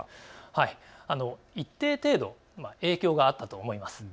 はい、一定程度影響があったと思います。